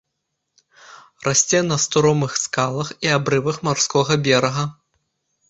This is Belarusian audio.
Расце на стромых скалах і абрывах марскога берага.